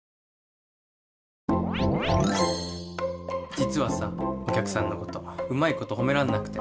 実はさお客さんのことうまいこと褒めらんなくて。